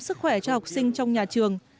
sức khỏe cho học sinh trong nhà trường